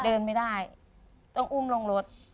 เดินไม่ได้ต้องอุ้มลงรถ